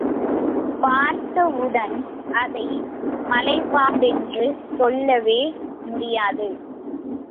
பார்த்தவுடன் அதை மலைப்பாம்பென்று சொல்லவே முடியாது.